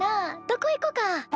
どこ行こか。